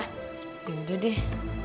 ya udah deh